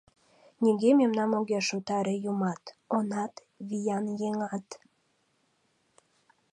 Нигӧ мемнам огеш утаре Юмат, онат, виян еҥат...